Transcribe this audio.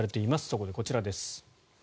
そこでこちらです。